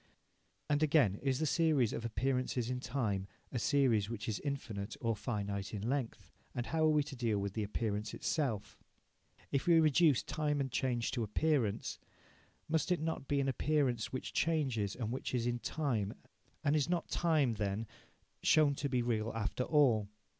And, again, is the series of appearances in time a series which is infinite or finite in length? And how are we to deal with the appearance itself? If we reduce time and change to appearance, must it not be to an appearance which changes and which is in time, and is not time, then, shown to be real after all?